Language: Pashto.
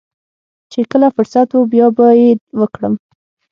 چې کله فرصت و بيا به يې وکړم.